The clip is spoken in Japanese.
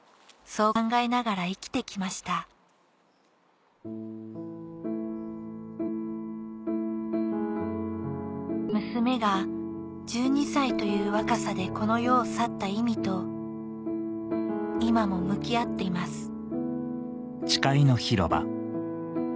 そう考えながら生きて来ました娘が１２歳という若さでこの世を去った意味と今も向き合っています